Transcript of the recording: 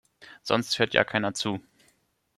Sonst hört ja keiner zu.